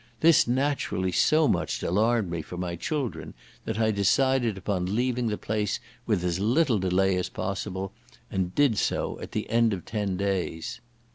This naturally so much alarmed me for my children, that I decided upon leaving the place with as little delay as possible, and did so at the end of ten days.